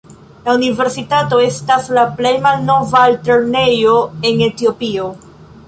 La universitato estas la plej malnova altlernejo en Etiopio.